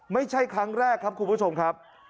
ไม่ใช่ครั้งแรกครับคุณผู้ชมครับ